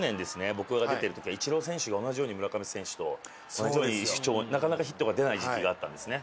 僕が出てる時はイチロー選手が村上選手と同じように不調なかなかヒットが出ない時期があったんですね。